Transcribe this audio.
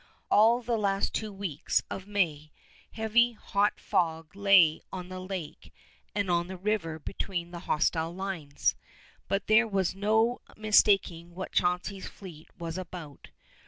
All the last two weeks of May, heavy hot fog lay on the lake and on the river between the hostile lines, but there was no mistaking what Chauncey's fleet was about.